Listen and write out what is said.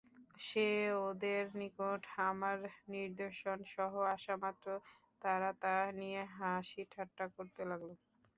সে ওদের নিকট আমার নিদর্শনসহ আসা মাত্র তারা তা নিয়ে হাসি-ঠাট্টা করতে লাগল।